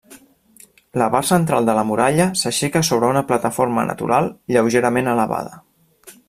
La part central de la muralla s'aixeca sobre una plataforma natural lleugerament elevada.